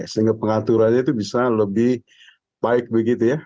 sehingga pengaturannya itu bisa lebih baik begitu ya